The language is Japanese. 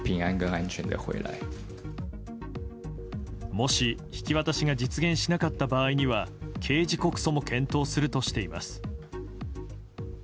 もし引き渡しが実現しなかった場合には刑事告訴も検討するとしています。